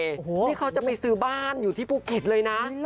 นี่เขาจะไปซื้อบ้านอยู่ที่ภูเก็ตเลยนะ